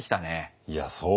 いやそうね。